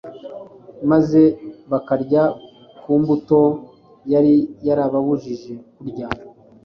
maze bakarya ku mbuto yari yarababujije kurya